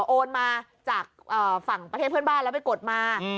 โอนมาจากฝั่งประเทศเพื่อนบ้านแล้วไปกดมา